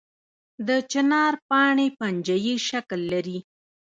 د چنار پاڼې پنجه یي شکل لري